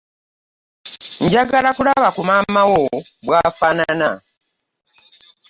Njagala kulaba ku maama wo bw'afanana.